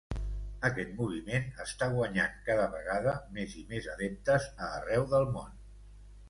Aquest moviment està guanyant cada vegada més i més adeptes a arreu del món.